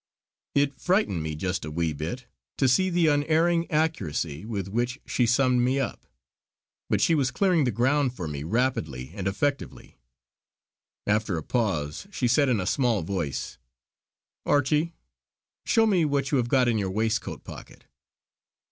It frightened me just a wee bit to see the unerring accuracy with which she summed me up; but she was clearing the ground for me rapidly and effectively. After a pause she said in a small voice: "Archie show me what you have got in your waistcoat pocket."